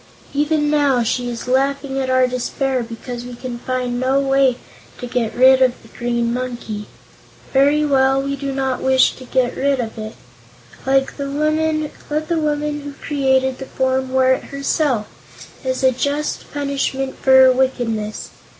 Even now she is laughing at our despair because we can find no way to get rid of the green monkey. Very well, we do not wish to get rid of it. Let the woman who created the form wear it herself, as a just punishment for her wickedness.